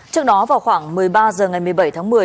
trước đó vào khoảng một mươi ba h ngày một mươi bảy tháng một mươi